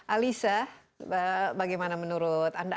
alisa bagaimana menurut anda